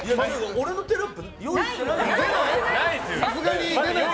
俺のテロップ用意してないの？